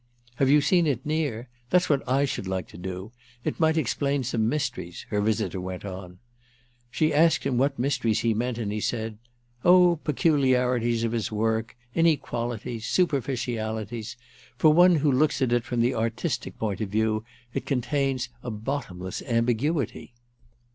"Have you seen it near? That's what I should like to do; it might explain some mysteries," her visitor went on. She asked him what mysteries he meant, and he said: "Oh peculiarities of his work, inequalities, superficialities. For one who looks at it from the artistic point of view it contains a bottomless ambiguity."